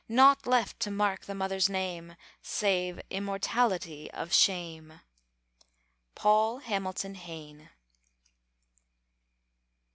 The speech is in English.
Naught left to mark the mother's name, Save immortality of shame! PAUL HAMILTON HAYNE.